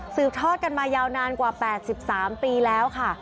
ทอดกันมายาวนานกว่า๘๓ปีแล้วค่ะ